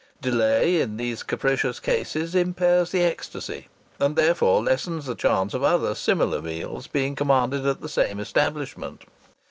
Delay in these capricious cases impairs the ecstasy and therefore lessens the chance of other similar meals being commanded at the same establishment.